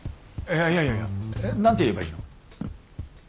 いやいやいや何て言えばいいの？